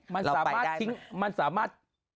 มันสามารถทิ้งมันสามารถ